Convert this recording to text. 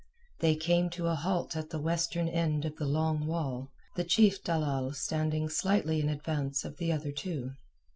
They came to a halt at the western end of the long wall, the chief dalal standing slightly in advance of the other two.